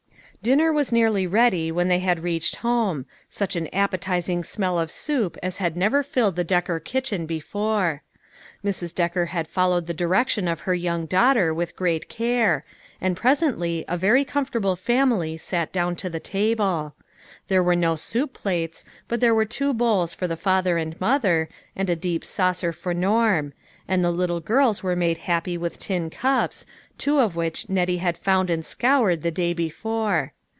Dinner was nearly ready when they reached home ; such an appetizing smell of soup as had never filled the Decker kitchen before. Mrs. Decker had followed the directions of her young daughter with great care ; and presently a very comfortable family sat down to the table. There were no soup plates, but there were two bowls for the father and mother, and a deep saucer for Norm ; and the little girls were made happy with tin cups, two of which Nettie had found and scoured, the day before.